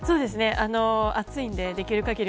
暑いのでできる限り